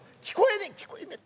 聞こえねえ」。